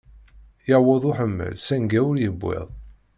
Yewweḍ uḥemmal sanga ur yewwiḍ.